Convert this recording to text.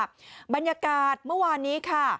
บรรยากาศเมื่อวานนี้ค่ะ